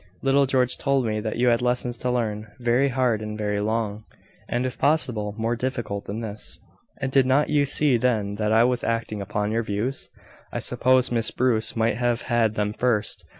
"Little George told me that you had lessons to learn, very hard and very long, and, if possible, more difficult than his." "And did not you see then that I was acting upon your views?" "I supposed Miss Bruce might have had them first."